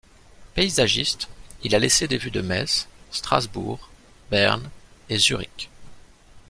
Paysagiste, il a laissé des vues de Metz, Strasbourg, Berne et Zurich.